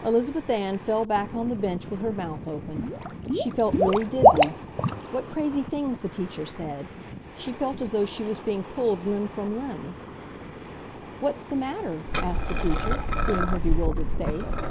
Elizabeth Ann fell back on the bench with her mouth open. She felt really dizzy. What crazy things the teacher said! She felt as though she was being pulled limb from limb. "What's the matter?" asked the teacher, seeing her bewildered face.